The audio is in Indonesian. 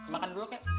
makan dulu kak